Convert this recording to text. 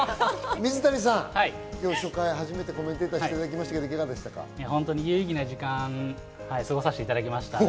水谷さん、初めてコメンテーターしていただきましたが、いかがで有意義な時間を過ごさせていただきました。